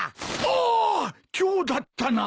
あーっ今日だったな。